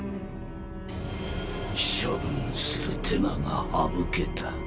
処分する手間が省けた。